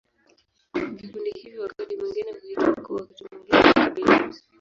Vikundi hivi wakati mwingine huitwa koo, wakati mwingine makabila.